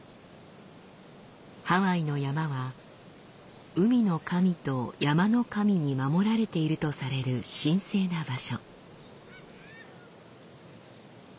ハワイの山は海の神と山の神に守られているとされる神聖な場所。